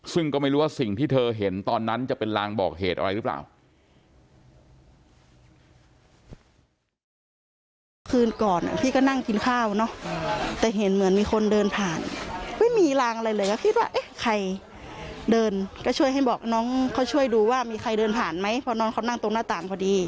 ซึ่งก็ไม่รู้ว่าสิ่งที่เธอเห็นตอนนั้นจะเป็นลางบอกเหตุอะไรหรือเปล่า